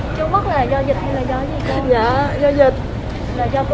chú mất là do dịch hay là do gì cô